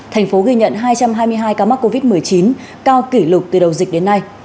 thành phố ghi nhận hai trăm hai mươi hai ca mắc covid một mươi chín cao kỷ lục từ đầu dịch đến nay